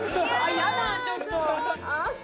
やだちょっと！